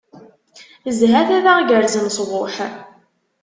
Zhat ad aɣ-gerzen ṣṣbuḥ.